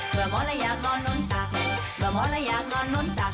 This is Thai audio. เผื่อหมอและอยากนอนน้นตากเผื่อหมอและอยากนอนน้นตาก